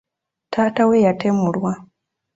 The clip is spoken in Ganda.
Taata we yatemulwa.